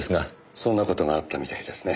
そんな事があったみたいですね。